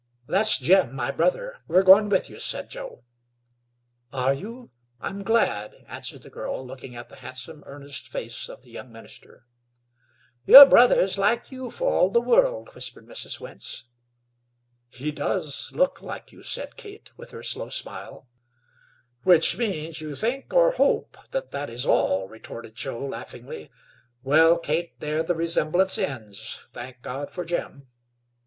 "That's Jim, my brother. We're going with you," said Joe. "Are you? I'm glad," answered the girl, looking at the handsome earnest face of the young minister. "Your brother's like you for all the world," whispered Mrs. Wentz. "He does look like you," said Kate, with her slow smile. "Which means you think, or hope, that that is all," retorted Joe laughingly. "Well, Kate, there the resemblance ends, thank God for Jim!"